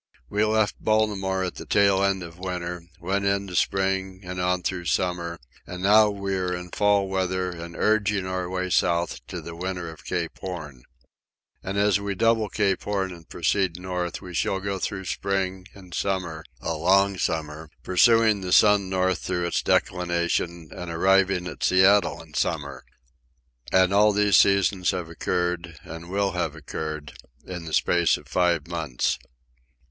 We left Baltimore at the tail end of winter, went into spring and on through summer, and now we are in fall weather and urging our way south to the winter of Cape Horn. And as we double the Cape and proceed north, we shall go through spring and summer—a long summer—pursuing the sun north through its declination and arriving at Seattle in summer. And all these seasons have occurred, and will have occurred, in the space of five months.